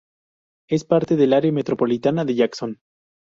Es parte del área metropolitana de Jackson.